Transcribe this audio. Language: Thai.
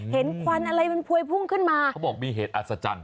ควันอะไรมันพวยพุ่งขึ้นมาเขาบอกมีเหตุอัศจรรย